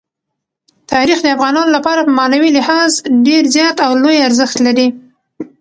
تاریخ د افغانانو لپاره په معنوي لحاظ ډېر زیات او لوی ارزښت لري.